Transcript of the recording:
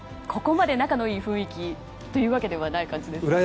ここまで仲のいい雰囲気という感じではないですか？